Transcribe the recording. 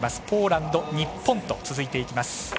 ポーランド、日本と続いていきます。